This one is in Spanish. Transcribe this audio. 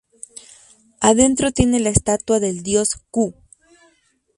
Adentro tiene la estatua del dios Xue.